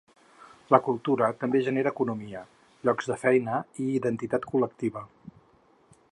La cultura també genera economia, llocs de feina i identitat col·lectiva.